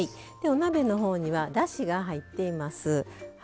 お鍋のほうにはだしが入っています。